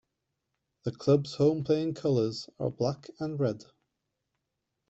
The club's home playing colours are black and red.